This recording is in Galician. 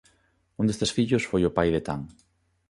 Un destes fillos foi o pai de Tan.